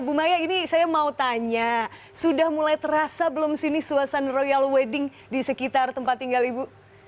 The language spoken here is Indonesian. bu maya ini saya mau tanya sudah mulai terasa belum sini suasana royal wedding di sekitar tempat tinggal ibu